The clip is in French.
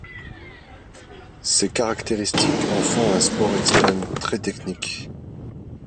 Ces caractéristiques en font un sport extrême très technique.